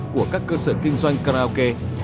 của các cơ sở kinh doanh karaoke